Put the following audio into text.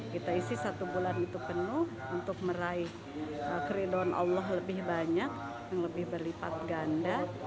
kita isi satu bulan itu penuh untuk meraih keriduan allah lebih banyak yang lebih berlipat ganda